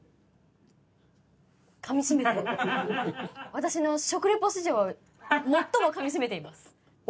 私の食レポ史上最もかみしめています。